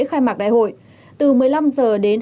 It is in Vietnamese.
khai mạc đại hội từ một mươi năm h đến